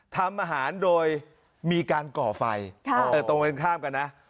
ทำอาหารโดยมีการก่อไฟตรงกันข้ามกันนะ